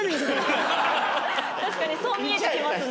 確かにそう見えちゃいますね。